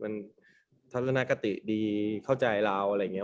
มันทัศนคติดีเข้าใจเราอะไรอย่างนี้